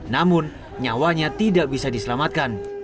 namun nyawanya tidak bisa diselamatkan